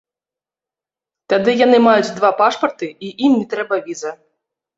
Тады яны маюць два пашпарты, і ім не трэба віза.